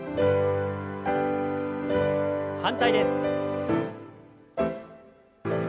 反対です。